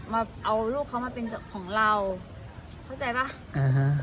มาเอาลูกเขามาเป็นของเราเข้าใจป่ะอ่าฮะ